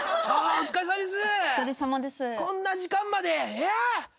お疲れさまです。